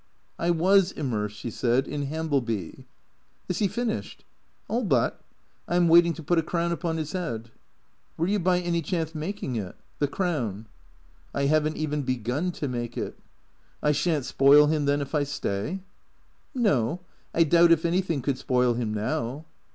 " I was immersed," she said, " in Hambleby." "Is he finished?" " All but. I 'm waiting to put a crown upon his head." " Were you by any chance making it — the crown? "" I have n't even begun to make it." " I shan't spoil him then if I stay ?"" No. I doubt if anything could spoil him now."